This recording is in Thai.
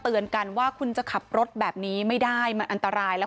เตือนกันว่าคุณจะขับรถแบบนี้ไม่ได้มันอันตรายแล้ว